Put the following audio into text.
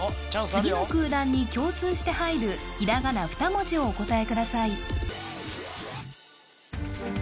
次の空欄に共通して入るひらがな２文字をお答えください